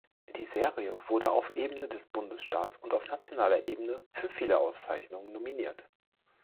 Die Serie wurde auf Ebene des Bundesstaats und auf nationaler Ebene für viele Auszeichnungen nominiert.